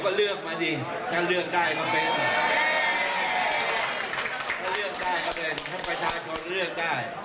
ถ้าเลือกได้ก็เป็นถ้าประชาชนเลือกได้ก็เลือกได้